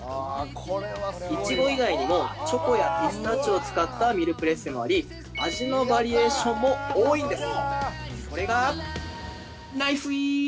◆イチゴ以外にもチョコやピスタチオを使ったミルプレッセもあり味のバリエーションも多いんです。